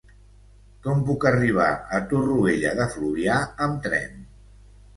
Com puc arribar a Torroella de Fluvià amb tren?